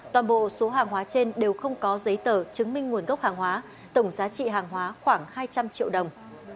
toàn bộ số hàng hóa trên đều không có giấy tờ chứng minh nguồn gốc hàng hóa tổng giá trị hàng hóa khoảng hai trăm linh triệu đồng